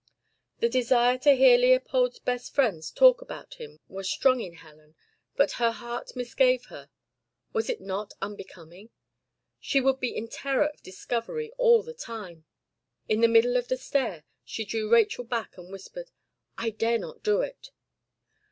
The desire to hear Leopold's best friends talk about him was strong in Helen, but her heart misgave her: was it not unbecoming? She would be in terror of discovery all the time. In the middle of the stair, she drew Rachel back and whispered, "I dare not do it."